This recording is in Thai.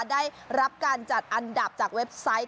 ได้รับการจัดอันดับจากเว็บไซต์